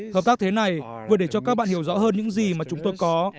hợp tác thế này vừa để cho các bạn hiểu rõ hơn những gì mà chúng tôi có